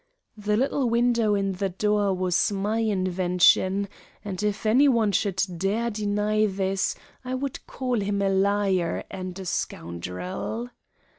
The little window in the door was my invention, and, if any one should dare deny this, I would call him a liar and a scoundrel.